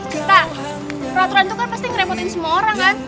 kita peraturan itu kan pasti ngerepotin semua orang kan